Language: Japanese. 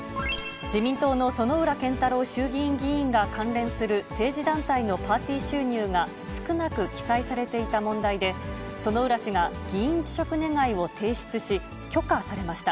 自民党の薗浦健太郎衆議院議員が関連する政治団体のパーティー収入が少なく記載されていた問題で、薗浦氏が議員辞職願を提出し、許可されました。